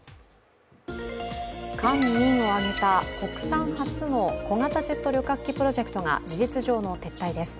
官民を挙げた国産初の小型ジェット旅客機プロジェクトが事実上の撤退です。